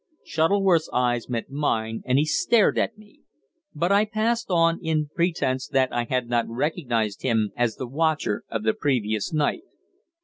Shuttleworth's eyes met mine, and he stared at me. But I passed on, in pretence that I had not recognized him as the watcher of the previous night.